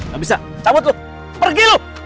gak bisa cabut lu pergi lu